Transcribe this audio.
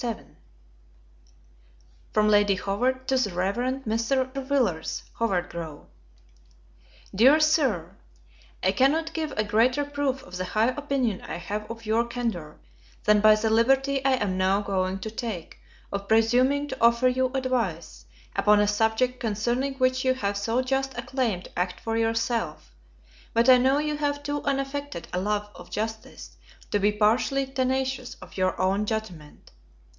LETTER XXVII LADY HOWARD TO THE REV. MR. VILLARS Howard Grove. Dear Sir, I CANNOT give a greater proof of the high opinion I have of your candour, than by the liberty I am now going to take, of presuming to offer you advice, upon a subject concerning which you have so just a claim to act for yourself; but I know you have too unaffected a love of justice, to be partially tenacious of your own judgment.